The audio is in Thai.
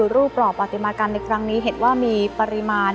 รูปกรอบปฏิมากรรมในครั้งนี้เห็นว่ามีปริมาณ